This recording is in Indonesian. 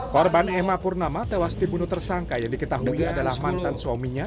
korban emma purnama tewas dibunuh tersangka yang diketahui adalah mantan suaminya